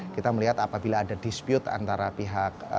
kita melihat apabila ada dispute antara pihak